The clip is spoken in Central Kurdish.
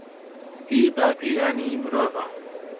هی باپیرانی مرۆڤە